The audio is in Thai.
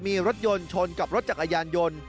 มีรถยนต์ชนกับรถจักรยานยนต์